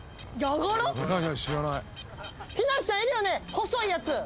細いやつ。